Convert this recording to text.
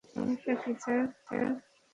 সমস্যা কী স্যার?